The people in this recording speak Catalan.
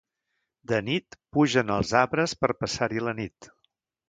De nit, pugen als arbres per passar-hi la nit.